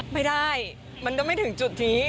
ไม่ได้มันก็ไม่ถึงจุดนี้